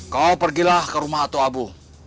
kau pergilah ke rumah atau abu